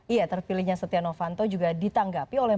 iya terpilihnya setia novanto juga ditanggapi oleh